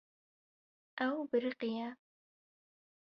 Ew biriqiye.